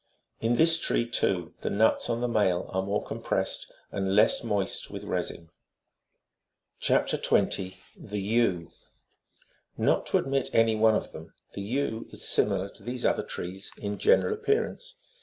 29 In this tree, too, the nuts on the male are more compressed, and less moist with resin. CHAP. 20. — THE TEW, Not to omit any one of them, the yew zo is similar to these other trees in general appearance.